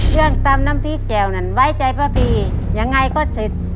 เรื่องตำน้ำพริกแจ่วนั้นไว้ใจพระพียังไงก็สิทธิ์